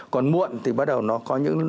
còn muộn thì bắt đầu nó có những